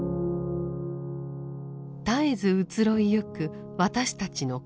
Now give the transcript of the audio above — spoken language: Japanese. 絶えず移ろいゆく私たちの心。